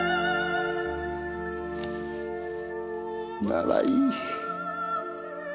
ならいい。